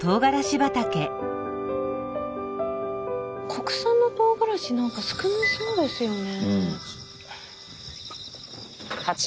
国産のとうがらし何か少なそうですよね。